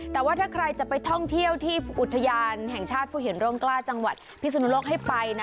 แต่ว่าถ้าใครจะไปท่องเที่ยวที่อุทยานแห่งชาติผู้เห็นร่มกล้าจังหวัดพิศนุโลกให้ไปนะ